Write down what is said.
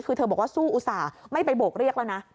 คือเธอบอกว่าสู้อุตส่าห์ไม่ไปโบกเรียกแล้วนะ